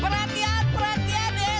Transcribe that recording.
perhatian perhatian deh